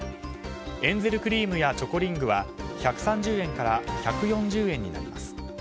エンゼルクリームやチョコリングは１３０円から１４０円になります。